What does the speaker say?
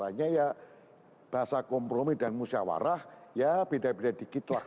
hanya ya bahasa kompromi dan musyawarah ya beda beda dikit lah